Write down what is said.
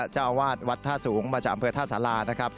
เจ้าอาวาสวัดท่าสูงประจำเผือท่าสารา